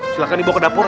silahkan dibawa ke dapur